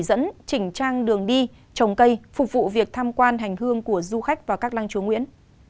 dẫn chỉnh trang đường đi trồng cây phục vụ việc tham quan hành hương của du khách vào các lăng chúa nguyễn